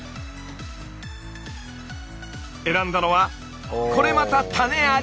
選んだのはこれまた種あり！